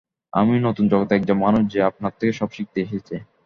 আমি নতুন জগতে একজন মানুষ যে আপনার থেকে সব শিখতে এসেছে।